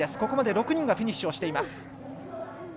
ここまで６人がフィニッシュしています。